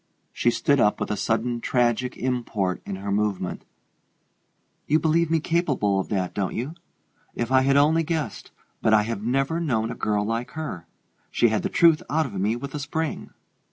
She stood up with a sudden tragic import in her movement. "You believe me capable of that, don't you? If I had only guessed but I have never known a girl like her; she had the truth out of me with a spring."